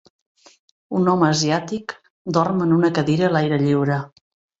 Un home asiàtic dorm en una cadira a l'aire lliure.